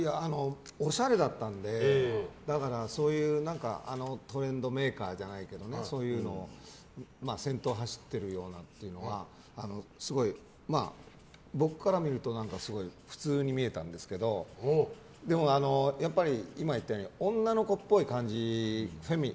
おしゃれだったので、そういうトレンドメーカーじゃないけどそういうのを先頭走ってるようなというのは僕から見ると普通に見えたんですけどでも、今言ったように女の子っぽい感じ